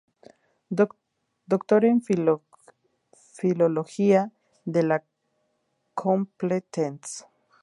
Doctor en Filología de la Complutense.